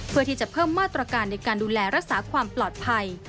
เพื่อที่จะเพิ่มมาตรการในการดูแลรักษาความปลอดภัย